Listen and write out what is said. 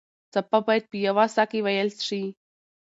څپه باید په یوه ساه کې وېل شي.